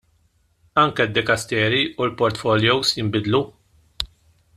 Anke d-dekasteri u l-portfolios jinbidlu.